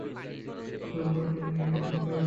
জাদুর পানি এনে রেখেছ তো!